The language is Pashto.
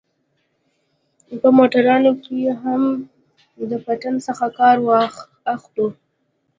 په موټرانو کښې هم له پټن څخه کار اخلو.